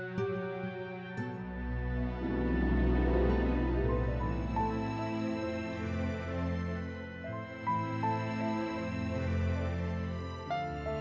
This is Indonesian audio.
raya patah semua